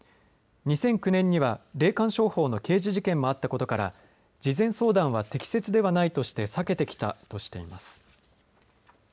２００９年には霊感商法の刑事事件もあったことから事前相談は適切ではないとして避けてきたとしています。